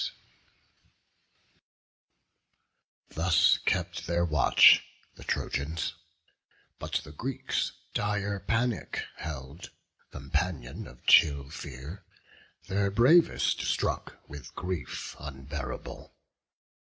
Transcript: Thus kept their watch, the Trojans; but the Greeks Dire Panic held, companion of chill Fear, Their bravest struck with grief unbearable.